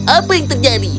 apa yang terjadi